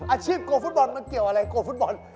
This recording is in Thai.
อาชีพโกรฟุตบอลมันเกี่ยวอะไรโกรฟุตบอล